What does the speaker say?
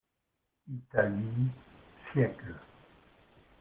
Italie, siècle.